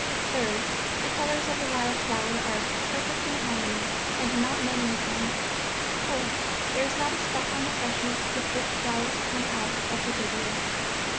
Third: the colours of the wild flower are perfect in harmony, and not many of them. Fourth: there is not a speck on the freshness with which flowers come out of the dirty earth.